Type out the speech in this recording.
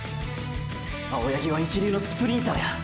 青八木は一流のスプリンターや。